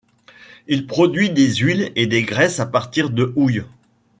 Il produit des huiles et des graisses à partir de houille.